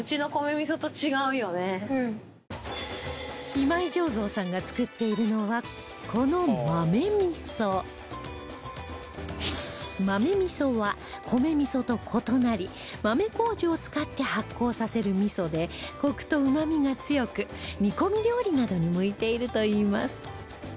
今井醸造さんが作っているのはこの豆味は米味と異なり豆麹を使って発酵させる味でコクとうまみが強く煮込み料理などに向いているといいます